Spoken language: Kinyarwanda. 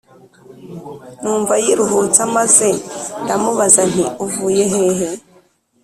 Numva yiruhutsa maze ndamubaza nti uvuye hehe